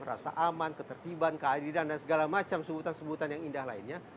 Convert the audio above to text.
rasa aman ketertiban keadilan dan segala macam sebutan sebutan yang indah lainnya